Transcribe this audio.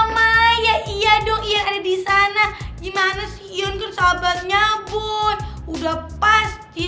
mau gue kempesin badan lo maju sini